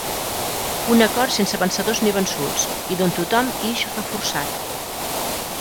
Un acord sense vencedors ni vençuts i d’on tothom ix reforçat.